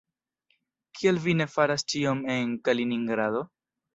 Kial vi ne faras ĉion en Kaliningrado?